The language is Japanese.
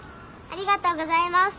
ありがとうございます。